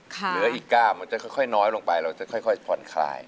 เหลืออีก๙มันจะค่อยน้อยลงไปเราจะค่อยผ่อนคลาย